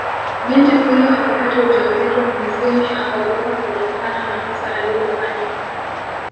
Binti huyo akapata ujauzito Mufwimi akaogopa kutokana na kosa alilolifanya